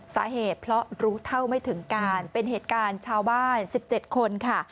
สาเหตุเพราะรู้เท่าไม่ถึงการเป็นเหตุการณ์ชาวบ้าน๑๗คนค่ะ